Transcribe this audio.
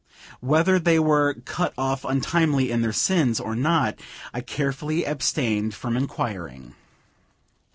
Whether they were "cut off untimely in their sins," or not, I carefully abstained from inquiring.